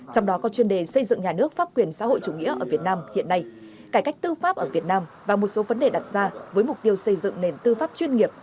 trong đó có chuyên đề xây dựng nhà nước pháp quyền xã hội chủ nghĩa ở việt nam hiện nay cải cách tư pháp ở việt nam và một số vấn đề đặt ra với mục tiêu xây dựng nền tư pháp chuyên nghiệp